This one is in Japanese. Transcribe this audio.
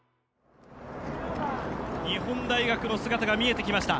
日本大学の姿が見えてきました。